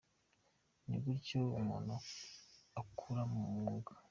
Ni gutyo umuntu akura mu mwuga.